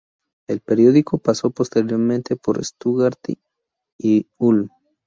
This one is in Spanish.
El periódico pasó posteriormente por Stuttgart y Ulm.